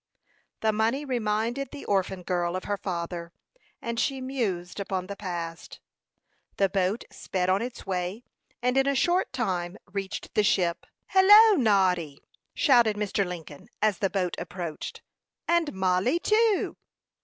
The money reminded the orphan girl of her father, and she mused upon the past. The boat sped on its way, and in a short time reached the ship. "Hallo, Noddy!" shouted Mr. Lincoln, as the boat approached. "And Mollie too!"